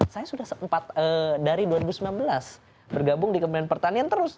saya sudah sempat dari dua ribu sembilan belas bergabung di kementerian pertanian terus